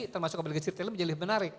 termasuk obligasi retail menjadi menarik